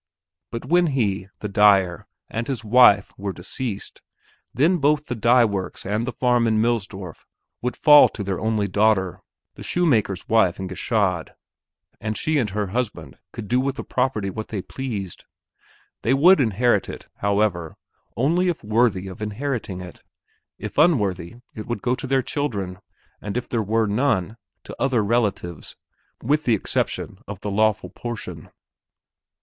But when he, the dyer, and his wife, were deceased, then both the dye works and the farm in Millsdorf would fall to their only daughter, the shoemaker's wife in Gschaid, and she and her husband could do with the property what they pleased: they would inherit it, however, only if worthy of inheriting it; if unworthy, it would go to their children, and if there were none, to other relatives, with the exception of the lawful portion.